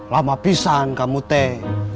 lama pisahan kamu teh